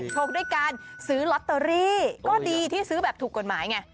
ด้วยการซื้อลอตเตอรี่ก็ดีที่ซื้อแบบถูกกฎหมายไง